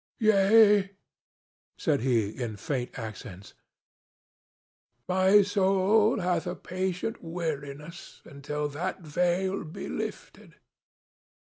"Yea," said he, in faint accents; "my soul hath a patient weariness until that veil be lifted."